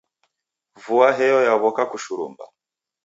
Vua heyo yaw'oka kushurumba.